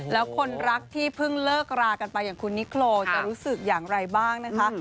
แล้วคนรักที่เพิ่งเลิกรากันไปอย่างคุณนิโครจะรู้สึกอย่างไรบ้างนะคะ